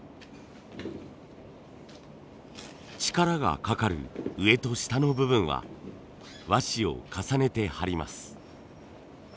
力がかかる上と下の部分は和紙を重ねて貼ります。